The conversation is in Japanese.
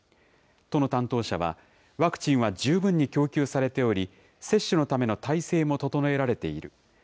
都の担当者は、ワクチンは十分に供給されており、接種のための態勢も整えられている。